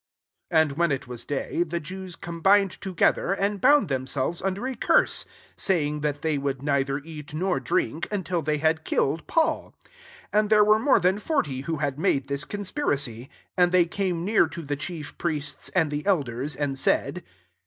12 And when it was day, the ^ews combined together, and Nmnd themselves under a :urse, saying, that they would wither eat nor drink until they lad killed PauL 13 And there irere more than forty who had Qftde this conspiracy. 14 And hey came near to the cfaief iriests and the elders, and said.